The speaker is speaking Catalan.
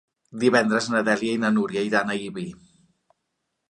Divendres na Dèlia i na Núria iran a Ibi.